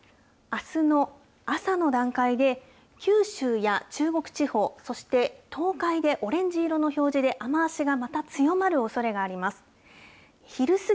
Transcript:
あすの朝の段階で、九州や中国地方、そして東海でオレンジ色の表示で、雨足がまた強まるおそれがあります。